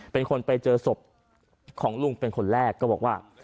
เป็นคนไปเจอศพของลุงเป็นคนแรกก็บอกว่า